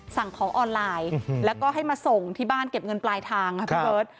สั่งของออนไลน์แล้วก็ให้มาส่งที่บ้านเก็บเงินปลายทางค่ะพี่เบิร์ต